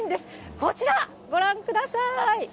こちら、ご覧ください。